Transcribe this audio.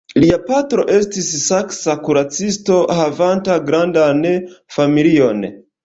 Lia patro estis saksa kuracisto havanta grandan familion.